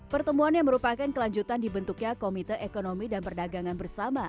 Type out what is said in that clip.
pertemuan yang merupakan kelanjutan dibentuknya komite ekonomi dan perdagangan bersama